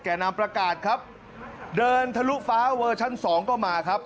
แก่น้ำประกาศครับเดินทะลุฟ้าเวอร์ชัน๒ก็มาครับ